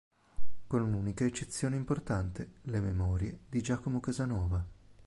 Con un'unica eccezione importante: le Memorie di Giacomo Casanova.